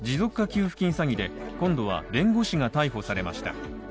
給付金詐欺で、今度は弁護士が逮捕されました。